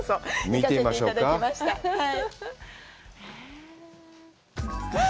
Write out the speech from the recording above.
見てみましょうか。